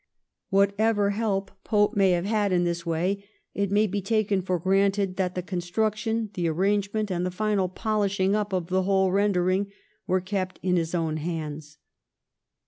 Whatever help Pope may have had in this way, it may be taken for granted that the construction, the arrangement, and the final polish ing up of the whole rendering were kept in his own hands.